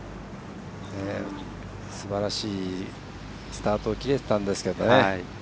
すばらしいスタートを切れてたんですけどね。